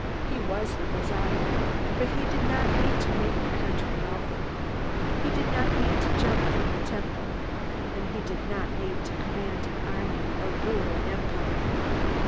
He was the Messiah, but he did not need to make the country wealthy. He did not need to jump from the Temple, and he did not need to command an army or rule an empire.